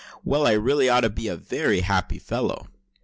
Well, I really ought to be a very happy fellow!"